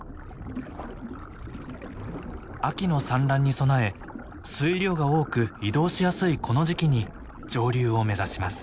秋の産卵に備え水量が多く移動しやすいこの時期に上流を目指します。